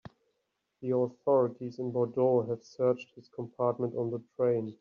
The authorities in Bordeaux have searched his compartment on the train.